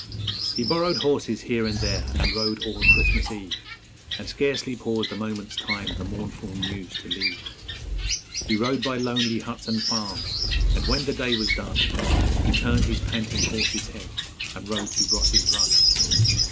'_ He borrowed horses here and there, and rode all Christmas Eve, And scarcely paused a moment's time the mournful news to leave; He rode by lonely huts and farms, and when the day was done He turned his panting horse's head and rode to Ross's Run.